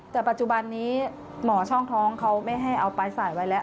แต่ปัจจุบันนี้หมอช่องท้องเขาไม่ให้เอาปลายสายไว้แล้ว